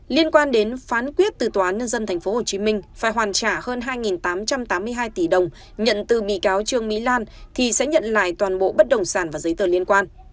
liên quan đến phán quyết từ tòa án nhân dân tp hcm phải hoàn trả hơn hai tám trăm tám mươi hai tỷ đồng nhận từ bị cáo trương mỹ lan thì sẽ nhận lại toàn bộ bất động sản và giấy tờ liên quan